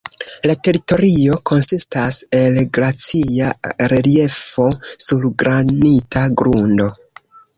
La teritorio konsistas el glacia reliefo sur granita grundo.